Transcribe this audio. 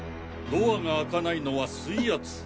ドアが開かないのは水圧！